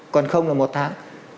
còn không là một tháng